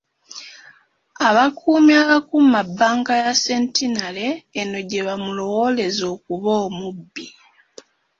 Abakuumi abakuuuma bbanka ya Centenary eno gye baamulowooleza okuba omubbi.